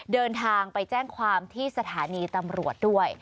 เดินทางไปแจ้งความที่สถานีตำรวจด้วย